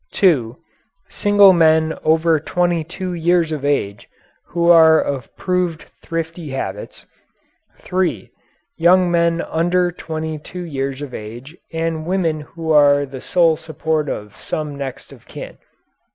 (2) Single men over twenty two years of age who are of proved thrifty habits. (3) Young men under twenty two years of age, and women who are the sole support of some next of kin.